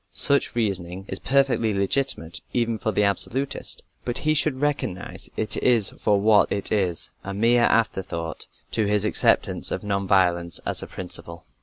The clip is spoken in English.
Such reasoning is perfectly legitimate, even for the "absolutist," but he should recognize it for what it is a mere afterthought to his acceptance of non violence as a principle.